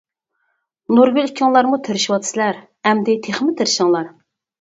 نۇرگۈل ئىككىڭلارمۇ تىرىشىۋاتىسىلەر، ئەمدى تېخىمۇ تىرىشىڭلار!